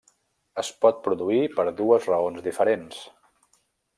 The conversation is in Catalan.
Es pot produir per dues raons diferents.